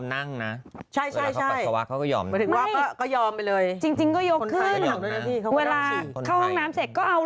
เปลงคนนะเขาก็ยอมนั่งนะ